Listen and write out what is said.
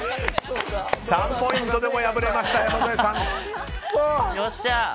３ポイントでも敗れた山添さん。